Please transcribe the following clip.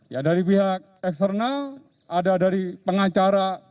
ya dari pihak eksternal ada dari pengacara